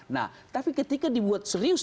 nah tapi ketika dibuat serius